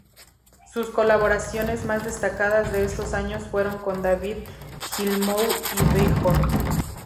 Sus colaboraciones más destacadas de estos años fueron con David Gilmour y Bjork.